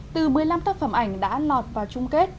từ một mươi năm tác phẩm ảnh đã lọt vào chung kết